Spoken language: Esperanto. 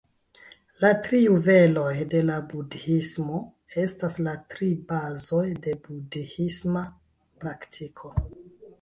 La tri juveloj de la Budhismo estas la tri bazoj de budhisma praktiko.